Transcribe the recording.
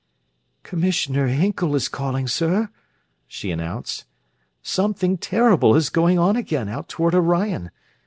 "Commissioner Hinkle is calling, sir," she announced. "Something terrible is going on again, out toward Orion.